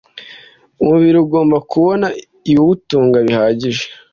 umubiri ugomba kubona ibiwutunga bihagije